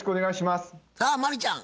さあ真理ちゃん